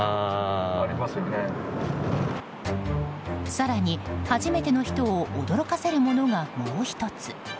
更に初めての人を驚かせるものがもう１つ。